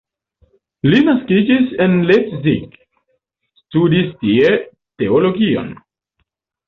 Li naskiĝis en Leipzig, studis tie teologion.